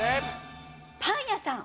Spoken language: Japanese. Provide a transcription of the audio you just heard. パン屋さん